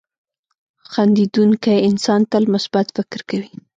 • خندېدونکی انسان تل مثبت فکر کوي.